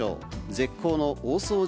絶好の大掃除